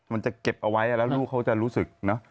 มันจะเก็บเอาไว้แล้วลูกเขาจะรู้สึกเนอะ